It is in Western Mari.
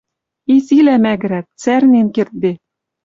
Изилӓ мӓгӹрӓт, цӓрнен кердде...